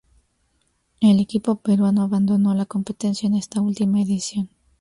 El equipo peruano abandonó la competencia en esta última edición.